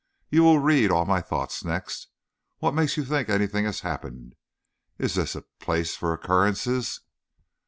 You will read all my thoughts next. What makes you think anything has happened? Is this a place for occurrences?"